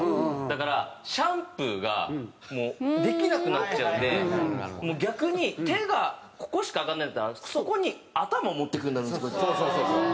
だからシャンプーがもうできなくなっちゃうんで逆に手がここしか上がらないんだったらそこに頭を持っていくようになるんですよ。